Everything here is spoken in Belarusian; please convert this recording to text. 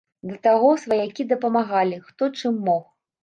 Да таго, сваякі дапамагалі, хто чым мог.